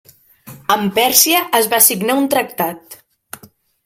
Amb Pèrsia es va signar un tractat.